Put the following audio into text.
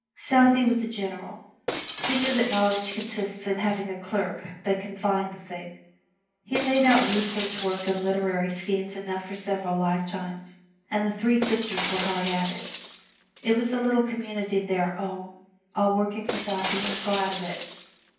Southey was a general: he knew that knowledge consists in having a clerk who can find the thing. He laid out research work and literary schemes enough for several lifetimes, and the three sisters were hard at it. It was a little community of their own all working for Southey, and glad of it.